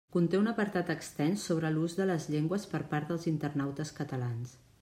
Conté un apartat extens sobre l'ús de les llengües per part dels internautes catalans.